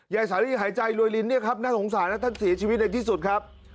สาลีหายใจรวยลิ้นเนี่ยครับน่าสงสารนะท่านเสียชีวิตในที่สุดครับ